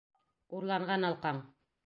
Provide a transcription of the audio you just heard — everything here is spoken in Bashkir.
Урланған алҡаң!